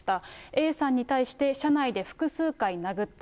Ａさんに対して車内で複数回殴った。